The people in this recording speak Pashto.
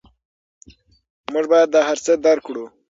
موږ باید دا هر څه درک کړو.